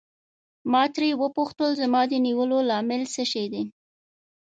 ما ترې وپوښتل زما د نیولو لامل څه شی دی.